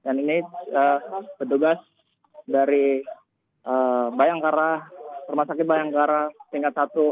dan ini petugas dari bayangkara rumah sakit bayangkara tingkat satu